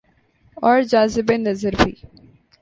اورجاذب نظربھی۔